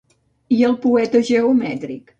I El poeta geomètric?